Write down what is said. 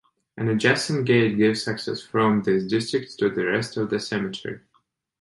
An adjacent gate gives access from this district to the rest of the cemetery.